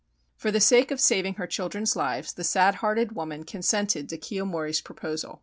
For the sake of saving her children's lives the sad hearted woman consented to Kiyomori's proposal.